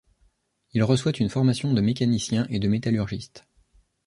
Il reçoit une formation de mécanicien et de métallugiste.